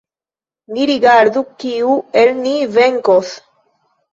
Ni rigardu, kiu el ni venkos!